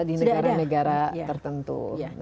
di negara negara tertentu